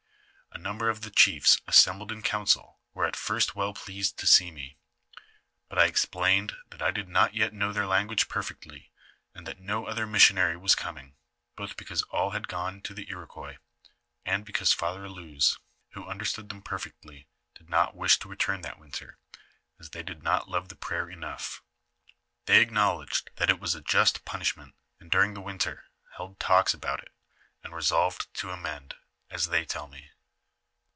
A num ber of the chiefs assembled in council, were at first well pleased to see me ; but I explained that I did not yet know their language perfectly, and that no other missionary was coming, both because all had gone to the Iroquois, and be cause Father Allouez, who understood them perfectly, did not wish to return that winter, as they did not love the prayer enough. Tbey acknowledged that it was a just punishment, and during the winter held talks about it, and resolved to amend, as they tell me.